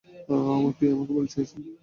তুই আমাকে বলছিস?